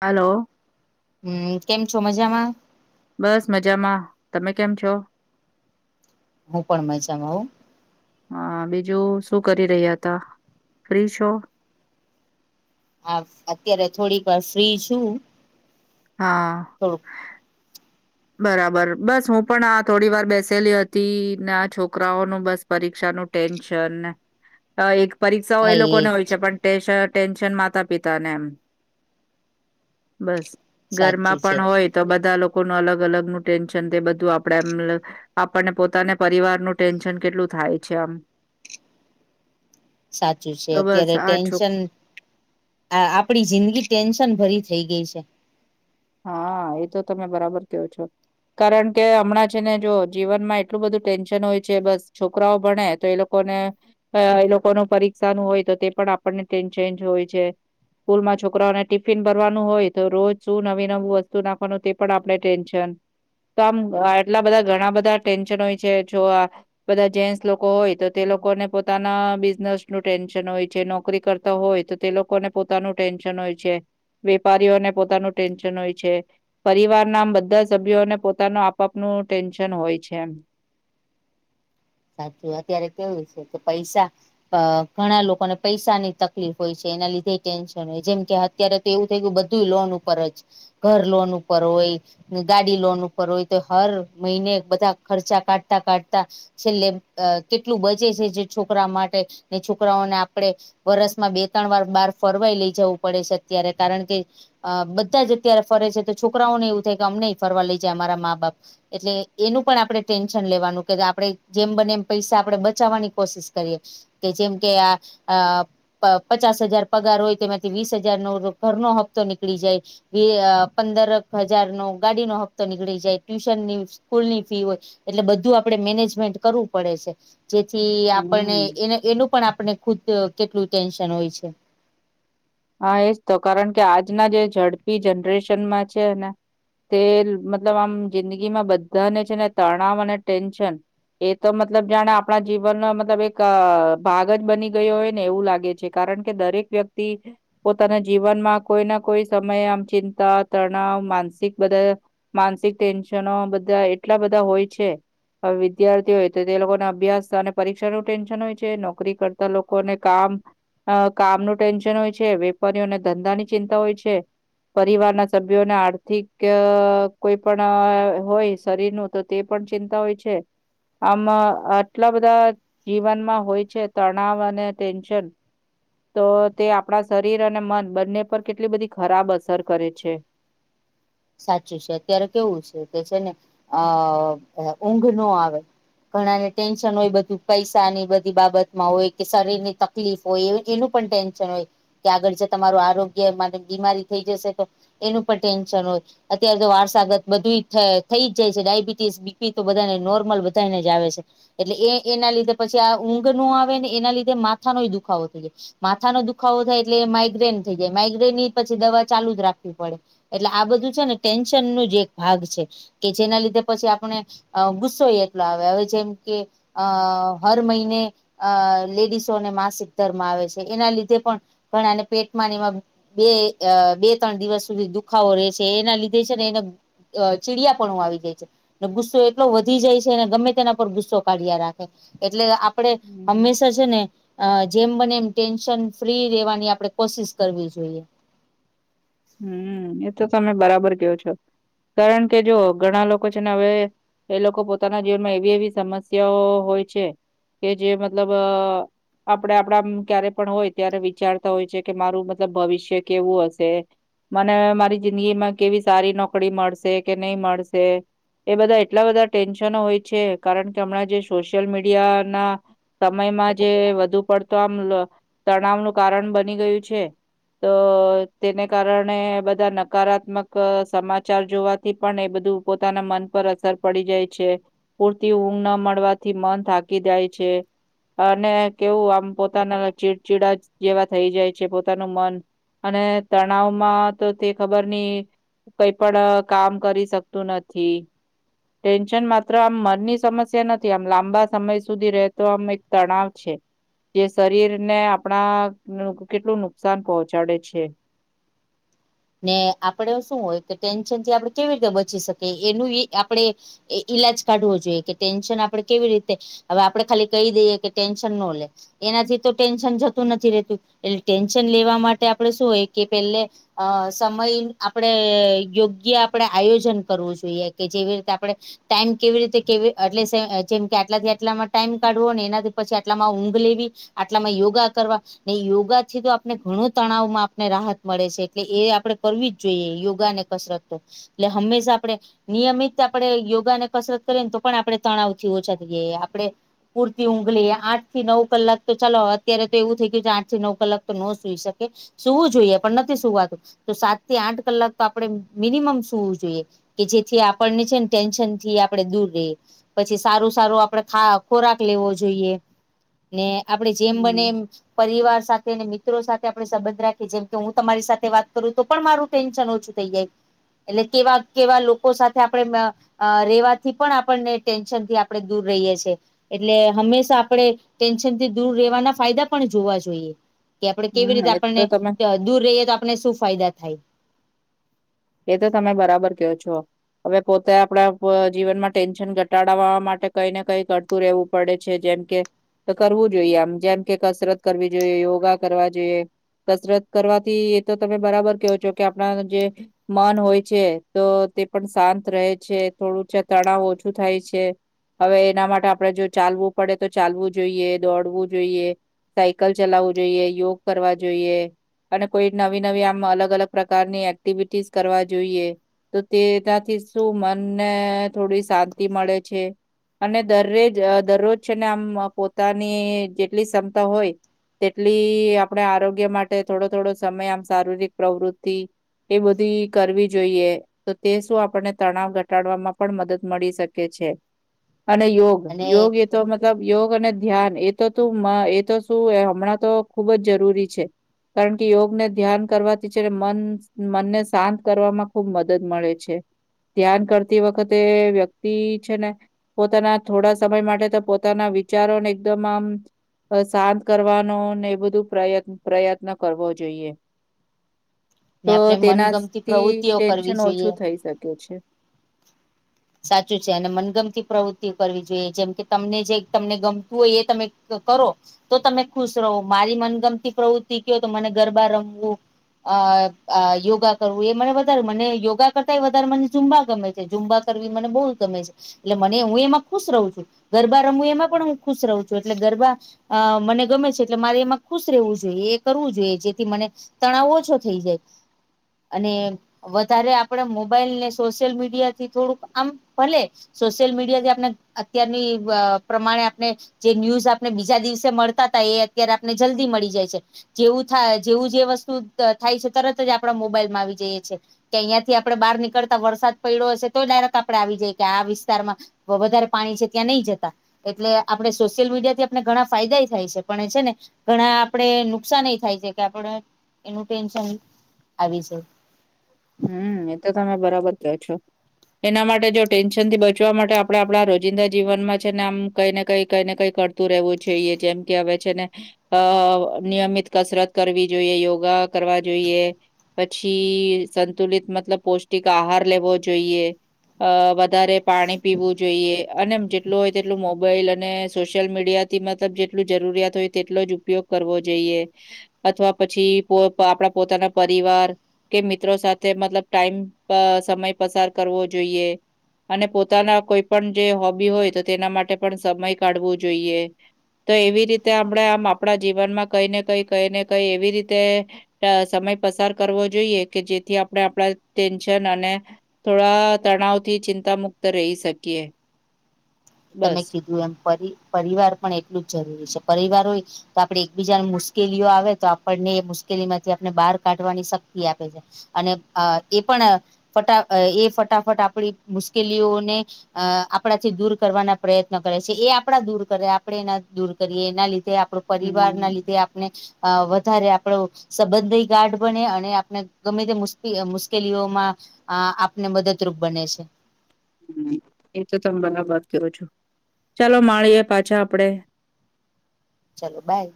Hello. હમ્મ કેમ છો મજામાં બસ મજામાં તમે કેમ છો? હું પણ મજામાં હઉ હા બીજું શું કરી રહ્યા હતા ફ્રી છો. હા અત્યારે થોડીક વાર ફ્રી છું. હા. તો. બરાબર બસ હું પણ આ થોડી વાર બેસેલી હતી ને આ છોકરાઓનું બસ. પરીક્ષા નું ટેન્શન એક પરીક્ષાઓ એ લોકોને હોય છે પણ. પ્રેશન ટેન્શન માતા પિતા ને એમ બસ. ઘરમાં સાચું છે પણ હોય તો બધા લોકોનું અલગ અલગ નું ટેન્શન તે બધું આપડે આમ. આપણને પોતાને પરિવારનું ટેન્શન કેટલું થાય છે આમ. સાચું છે તો બસ અત્યારે આ છો ટેન્શન. હા આપણી જિંદગી ટેન્શન ભરી થઇ ગઈ છે. હા એ તો તમે બરાબર કયો છો. કારણ કે હમણાં છે ને જો જીવનમાં એટલું બધું ટેન્શન હોય છે બસ છોકરાઓ ભણે તો એ લોકો. લોકો ને એ લોકો ને પરીક્ષા નું હોય તો તે પણ આપણને ટેન્શન જ હોય છે. સ્કૂલ માં છોકરાઓને ટિફિન ભરવાનું હોય તો રોજ શું નવીન. નવું વસ્તુ નાખવાનું તે પણ આપણે ટેન્શન. તો આમ આટલા બધા ઘણા બધા ટેન્શન હોય છે જોવા. બધા જેન્ટસ લોકો હોય તો તે લોકોને પોતાના બિઝનેસ નું ટેન્શન હોય છે નોકરી કરતા. તો હોય તો તે લોકોને પોતાનું ટેન્શન હોય છે વેપારીઓને પોતાનું ટેન્શન. ટેન્શન હોય છે પરિવાર ના આમ બધા સભ્યોને પોતાનું આપ આપનું ટેન્શન હોય છે એમ. સાચું અત્યારે કેવું છે કે પૈસા. અ ઘણા લોકોને પૈસાની તકલીફ હોય છે એના લીધે ટેન્શન હોય જેમ કે અત્યારે. એવું થઈ ગયું બધું લોન ઉપર જ ઘર લોન ઉપર હોય. ગાડી લોન ઉપર હોય તો હર મહિને બધા ખર્ચા કાઢતા કાઢતા. છેલ્લે કેટલું બચે છે જે છોકરા માટે ને છોકરાઓને આપડે. વરસમાં બે ત્રણ વાર બાર ફરવાઈ લઈ જવું પડે છે અત્યારે કારણ કે. અ બધા જ અત્યારે ફરે છે તો છોકરાઓને એવું થાય કે અમને ફરવા લઈ જાય અમારા મા બાપ. એટલે એનું પણ આપડે ટેન્શન લેવાનું કે આપડે. જેમ બને એમ પૈસા આપણેે બચાવવાની કોશિશ કરીએ કે જેમ કે આ આ. અ પચાસ હજાર પગાર હોય તેમાંથી વીસ હજાર નો ઘરનો હપ્તો નીકળી જાય. એ પંદર હજાર નો ગાડીનો હપ્તો નીકળી જાય ટ્યુશનની સ્કૂલ ની ફી હોય. એટલે બધું આપણે મેનેજમેન્ટ કરવું પડે છે જેથી આપને હમ એ એનું પણ આપણે. ખુદ કેટલું ટેન્શન હોય છે. હા એજ તો કારણ કે આજના જે ઝડપી જનરેશનમાં છેને. તે મતલબ આમ જિંદગીમાં બધાને છે ને તણાવ અને ટેન્શન. એ તો મતલબ જાણે આપણા જીવનનો મતલબ એક ભાગ જ બની ગયો હોય ને એવું લાગે છે. કારણ કે દરેક વ્યક્તિ. પોતાના જીવનમાં કોઈ ના કોઈ સમયે આમ ચિંતા તણાવ માનસિક બધા. માનસિક ટેન્શનો બધા એટલા બધા હોય છે. હવે વિદ્યાર્થી હોય તો તે લોકોના અભ્યાસ અને પરીક્ષાનું ટેન્શન હોય છે નોકરી કરતા લોકોને કામ. અ કામનું ટેન્શન હોય છે વેપારીઓને ધંધાની ચિંતા હોય છે. પરિવારના સભ્યોને આર્થિક અ કોઈ પણ હોય શરીરનું તો. તે પણ ચિંતા હોય છે. આમ આટલા બધા જીવનમાં હોય છે તણાવ અને ટેન્શન. તો તે આપણા શરીર અને મન બંને પર કેટલી બધી ખરાબ અસર કરે છે. સાચું છે અત્યારે કેવું છે કે છે ને અ ઊંઘ નો આવે. ઘણાને ટેન્શન હોય બધું પૈસા ની બધી બાબત માં હોય કે શરીર ની તક. તકલીફ હોય એનું પણ ટેન્શન હોય. કે આગળ જે તમારું આરોગ્ય માટે બીમારી થઈ જશે તો એનું પણ ટેન્શન હોય. અત્યારે તો વારસાગત બધું થઈ જ જાય છે ડાયબિટીસ બીપી તો બધાને નોર્મલ બધાને જ આવે છે. એટલે એ એના લીધે પછી આ ઊંઘ નો આવે ને એના લીધે માથાનો એ દુખાવો થઈ જાય. માથાનો દુખાવો થાય એટલે એ માઈગ્રેન થઈ જાય માઇગ્રેન એ પછી દવા ચાલુ જ રાખવી પડે. એટલે આ બધું છે ને ટેન્શન નું જ એક ભાગ છે. કે જેના લીધે પછી આપણે ગુસ્સો એટલો આવે હવે જેમ કે અ હર મહિને અ લેડીસોને માસિક ધર્મ આવે છે એના લીધે પણ. ગણાને પેટમાંને એવા બે અ બે ત્રણ દિવસ સુધી દુખાવો રહેે છે. જે એના લીધે છે ને એને ચીડિયા પણું આવી જાય છે. ગુસ્સો એટલો વધી જાય છે અનેને ગમે તેના પર ગુસ્સો કાઢ્યા રાખે એટલે આપડે હંમેશા છે ને અ જેમ બને એમ ટેન્શન ફ્રી રેવાની આપડે કોશિશ કરવી જોઈએ હમ એ તો તમે બરાબર કયોો છો કારણ કે જો ઘણા લોકો છે ને હવે એ લોકો પોતાના જીવનમાં એવી એવી સમસ્યાઓ હોય છે કે જે મતલબ આપડણે આપણા ક્યારે પણ હોય ત્યારે વિચારતા હોય છે કે મારું મતલબ ભવિષ્ય કેવું હશે મને મારી જિંદગીમાં કેવી સારી નોકરી મળશે કે નહી મળશે એ બધા એટલા બધા ટેન્શનો હોય છે કારણ કે હમણાં જે સોશિયલ મીડિયા ના સમયમાં જે વધુ પડતો આમ તણાવનું કારણ બની ગયું છે તો તેને કારણે બધા નકારાત્મક સમાચાર જોવાથી પણ એ બધું પોતાના મન પર અસર પડી જાય છે પૂરતી ઊંઘ ના મળવાથી મન થાકી જાય છે. અને કેવું આમ પોતાના ચીડચીડા જેવા થઈ જાય છે પોતાનું મન અને તણાવમાં તો તે ખબર નહી કઈ પણ કામ કરી શકતું નથી ટેન્શન માત્ર આમ મનની સમસ્યા નથી આમ લાંબા સમય સુધી રહેતો આમ એક તણાવ છે જે શરીર ને આપણા કેટલું નુકસાન પહોંચાડે છે. ને આપડ શું હોય કે ટેન્શન થી આપણે કેવી રીતે બચી શકીએ એનું આપણે એ ઈલાજ કાઢવો જોઈએ કે ટેન્શન આપડે કેવી રીતે હવે આપડણે ખાલી કહી દઈએ કે ટેન્શન ન લે એનાથી તો ટેન્શન જતું નથી રહેતું એટલે ટેન્શન લેવા માટે આપડે શું હોય કે પેલે અ સમય આપણેે યોગ્ય આપણેે આયોજન કરવું જોઈએ કે જેવી રીતે આપણે ટાઈમ કેવી રીતે કેવી એટલે જેમ કે આટલાથી આટલામાં ટાઈમ કાઢવો ને એનાથી પછી આટલામાં ઊંઘ લેવી આટલામાં યોગા કરવા ને યોગા થી તો આપને ઘણું તણાવમાં આપને રાહત મળે છે. એટલે એ આપડે કરવી જ જોઈએ યોગા ને કસરત તો એટલે હંમેશા આપણે નિયમિત આપણે યોગા ને કસરત કરીએ ને તો પણ આપણે તણાવ થી ઓછા થઈએ આપણે પૂરતી ઊંઘળી આઠ થી નવ કલાક તો ચાલો અત્યારે તો એવું થઈ ગયું કે આઠ થી નવ કલાક તો ન સુઈ શકે સુવું જોઈએ પણ નથી સુવાતું તો સાતથી આઠ કલાક તો આપણે મિનિમમ સુવું જોઈએ કે જેથી આપણને છે ને ટેન્શન થી આપણે દૂર રઈએ પછી સારું સારું આપડેા ખોરાક લેવો જોઈએ ને આપડે જેમ બને હમ્મ એમ પરિવાર સાથે અને મિત્રો સાથે આપે સંબંધ રાખીએ જેમ કે હું તમારી સાથે વાત કરું તો પણ મારું ટેન્શન ઓછું થઈ જાય એટલે કેવા કેવા લોકો સાથે આપણે અ રેવાથી પણ આપણને ટેન્શન થી આપણે દૂર રહીએ છીએ એટલે હંમેશા આપણેે ટેન્શનથી દૂર રહેેવાના ફાયદા પણ જોવા જોઈએ કે આપડણે કેવી હમ્મ રીતે એ તો આપણને તમે દૂર રહીએ તો આપને શું ફાયદા થાય? એ તો તમે બરાબર કેવો છો. હવે પોતે આપડા જીવનમાં ટેન્શન ઘટાડવા માટે કઈ ને કઈ કર રહેવું પડે છે જેમ કે તો કરવું જોઈએ આમ જેમ કે કસરત કરવી જોઈએ યોગા કરવા જોઈએ કસરત કરવાથી એ તો તમે બરાબર કેવો છો કે આપણા જે મન હોય છે તો તે પણ શાંત રહે છે થોડું તણાવ ઓછું થાય છે. હવે એના માટે આપણે જો ચાલવું પડે તો ચાલવું જોઈએ દોડવું જોઈએ સાયકલ ચલાવવું જોઈએ, યોગ કરવા જોઈએ. અને કોઈ નવી નવી, આમ અલગ અલગ પ્રકારની એક્ટિવિટીસ કરવા જોઈએ. તો તે ત્યાંથી શું મનને થોડી શાંતિ મળે છે. અને દરરેજ અ દરરોજ છેને આમ પોતાની જેટલી ક્ષમતા હોય તેટલી આપણે આરોગ્ય માટે થોડો થોડો સમય આમ, શારીરિક પ્રવૃતિ એ બધી કરવી જોઈએ, તો તે શું આપણને તણાવ ઘટાડવામાં પણ મદદ મળી શકે છે. અને યોગ, અને યોગ એ તો મતલબ, યોગ અને ધ્યાન એ તો તું માં, એ તો શું અ હમણાં તો ખુબ જ જરૂરી છે. કારણ કે યોગને ધ્યાન કરવાથી છે મન, મનને શાંત કરવામાં ખુબ મદદ મળે છે, ધ્યાન કરતી વખતે વ્યક્તિ છે ને પોતાના થોડા સમય માટે તો પોતાના વિચારોને એકદમ આમ અ શાંત કરવાનો ને એ બધું પ્રયત્ન, પ્રયત્ન કરવો જોઈએ. [inaudible] ને આપણે મનગમતી તેનાથી પ્રવૃત્તિઓ કરવી ટેન્શન જોઈએ. ઓછું થઈ શકે છે. સાચું છે, અને મનગમતી પ્રવૃત્તિઓ કરવી જોઈએ, જેમકે તમને જે તમને ગમતું હોય એ તમે કરો? તો તમે ખુશ રહો, મારી મનગમતી પ્રવૃત્તિ કહો તો, મને ગરબા રમવું અ અ યોગા કરવું, એ મને વધારે, મને યોગા કરતા એ વધારે મને ઝુંબા ગમે છે, ઝુંબા કરવી મને બહુ ગમે છે. એટલે મને હું એમાં ખુશ રહું છું, ગરબા રમું એમાં પણ હું ખુશ રહું છું, એટલે ગરબા અ મને ગમે છે, એટલે મારે એમાં ખુશ રહેવું જોઈએ, એ કરવું જોઈએ, જેથી મને તણાવ ઓછો થઈ જાય. અને વધારે આપડે મોબાઈલ ને સોશિયલ મીડિયાથી થોડુંક આમ ભલે સોશિયલ મીડિયાથી આપણે, અત્યારની અ પ્રમાણે આપણે જે ન્યૂઝ આપને બીજા દિવસે મળતા હતા, એ અત્યારે આપને જલ્દી મળી જાય છે. જેવું થાય, જેવું જે વસ્તુ ત થાય છે, તરતજ આપણા મોબાઈલમાં આવી જઈએ છીએ. કે અહીયાં થી આપડે બહાર નીકળતા વરસાદ પડ્યો હશે તો, ડાયરેક ત આપડે આવી જાયકે, આ વિસ્તારમાં વધારે પાણી છે ત્યાં નહી જતા. એટલે આપણે સોશિયલ મીડિયાથી આપણે ઘણા ફાયદા થાય છે, પણ એ છે ને ઘણા આપણે નુકસાન એ થાય છે, કે આપણે એનું ટેન્શન આવી છે. હમ્મ, એ તો તમે બરાબર કો છો? એના માટે જો ટેન્શનથી બચવા માટે આપણે આપણા રોજિંદા જીવનમાં છે, ને આમ કઈ ને કઈ, કઈ ને કઈ કર તુ રહેવું જોઈએ, જેમ કે હવે છે ને અ નિયમિત કસરત કરવી જોઈએ, યોગા કરવા જોઈએ. પછી, સંતુલિત મતલબ પૌષ્ટિક આહાર લેવો જોઈએ. અ વધારે પાણી પીવું જોઈએ, અને જેટલું હોય તેટલું મોબાઈલ અને સોશિયલ મીડિયા થી મતલબ જેટલું જરૂરિયાત હોય તેટલોજ ઉપયોગ કરવો જોઈએ. અથવા પછી પો પા આપણા પોતાના પરિવાર કે મી ત્ર સાથે મતલબ ટાઈમ પ સમય પસાર કરવો જોઈએ. અને પોતાના કોઈ પણ જે હોબી હોય, તો તેના માટે પણ સમય કાઢવો જોઈએ. તો એવી રીતે આપણે આમ આપણા જીવનમાં કઈ ને કઈ, કઈ ને કઈ એવી રીતે ત સમય પસાર કરવો જોઈએ, કે જેથી આપણે આપણા ટેન્શન અને થોડા તણાવથી ચિંતા મુુક્ત રહી શકીએ. તમે બસ કીધું એમ, પરી પરિવાર પણ એટલું જ જરૂરી છે, પરિવાર હોય તો આપડે એકબીજાની મુશ્કેલીઓ આવે, તો આપણને એ મુશ્કેલીમાંથી આપને બહાર કાઢવાની શક્તિ આપે છે. અને અ એ પણ ફટા એ ફટાફટ આપણી મુશ્કેલીઓને અ આપણાથી દૂર કરવાના પ્રયત્ન કરે છે, એ આપણા દૂર કરે, આપણે એના દૂર કરીએ, એના લીધે આપણો હમ. પરિવારના લીધે આપણે અ વધારે આપણો સંબંધી ગાઢ બને અને આપણે ગમે તે મુ મુશ્કેલીઓમાં આ આપને મદદરૂપ બને છે એ તો તમે બરાબત કયો છો, ચાલો માળીએ પાછા આપણે ચાલો, બાય